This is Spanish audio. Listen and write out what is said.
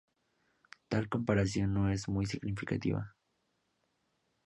Tal comparación no es muy significativa.